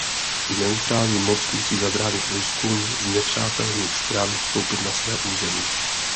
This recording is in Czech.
Neutrální moc musí zabránit vojskům znepřátelených stran vstoupit na své území.